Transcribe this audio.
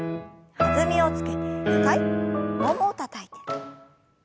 弾みをつけて２回ももをたたいて。